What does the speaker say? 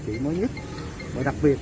cảm ơn các bạn